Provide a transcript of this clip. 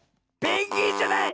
ペンギンじゃない！